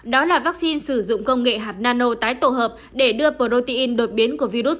đó là vaccine sử dụng công nghệ hạt nano tái tổ hợp để đưa protein đột biến của virus corona